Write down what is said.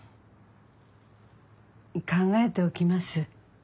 考えておきます。